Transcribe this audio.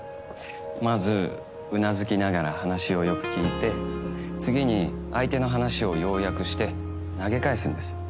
まずうなずきながら話をよく聞いて次に相手の話を要約して投げ返すんです。